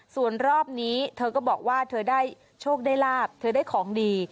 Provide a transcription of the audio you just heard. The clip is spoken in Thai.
ส่วนรอบนี้เธอก็บอกว่าเธอได้โชคได้ลาบเธอได้ของดี